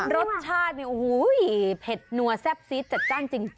รสชาตินี่โอ้โหเผ็ดนัวแซ่บซีดจัดจ้านจริง